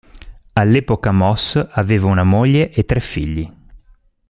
All'epoca Moss aveva una moglie e tre figli.